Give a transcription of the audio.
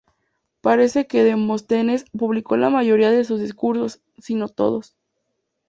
Parece que Demóstenes publicó la mayoría de sus discursos, si no todos.